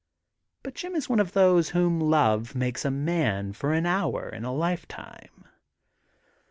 But Jim is one of those whom love makes a man for an hour in a lifetime.